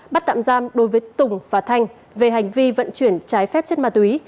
bắt tạm giam đối với tùng và thanh về hành vi vận chuyển trái phép chất ma túy